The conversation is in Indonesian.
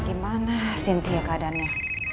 gimana sintia keadaannya